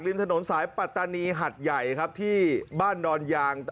ถนนสายปัตตานีหัดใหญ่ครับที่บ้านดอนยาง